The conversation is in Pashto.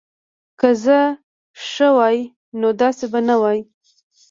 که زه ښه وای نو داسی به نه وای